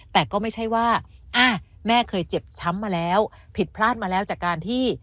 แต่ก็ไม่ใช่ว่าแม่เคยเจ็บช้ำมาแล้วผิดพลาดมาแล้วจากการที่